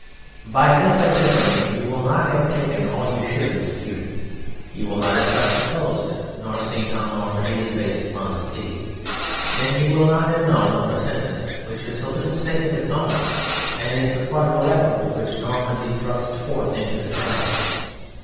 By this itinerary you will not have taken all you should into view; you will not have touched the coast nor seen how Normandy is based upon the sea, and you will not have known the Cotentin, which is a little State of its own and is the quadrilateral which Normandy thrusts forth into the Channel.